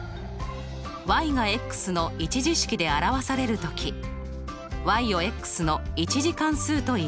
がの１次式で表される時をの１次関数といいます。